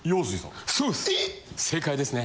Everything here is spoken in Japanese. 正解ですね。